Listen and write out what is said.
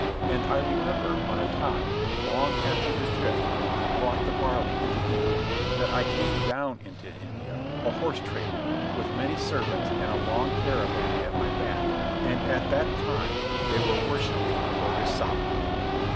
And I remember, on a time, long after the drift when we brought the barley into India, that I came down into India, a horse trader, with many servants and a long caravan at my back, and that at that time they were worshipping Bodhisatwa.